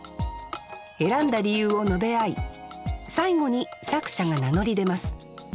選んだ理由を述べ合い最後に作者が名乗り出ます。